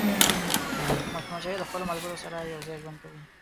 مچمچۍ د خپلو ملګرو سره یوځای ژوند کوي